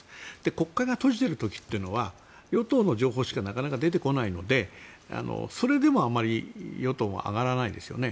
国会が閉じている時というのは与党の情報しかなかなか出てこないのでそれでもあまり与党は上がらないんですよね。